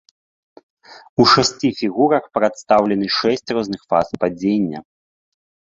У шасці фігурах прадстаўлены шэсць розных фаз падзення.